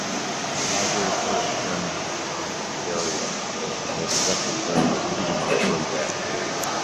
The library's first chairman was John Ferriar and its secretary was Peter Mark Roget.